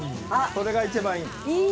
それが一番いい。